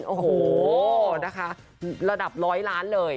โอ้โหนะคะระดับร้อยล้านเลย